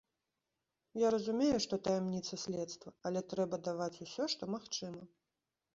Я разумею, што таямніца следства, але трэба даваць усё, што магчыма.